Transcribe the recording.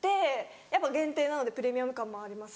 やっぱ限定なのでプレミアム感もありますし。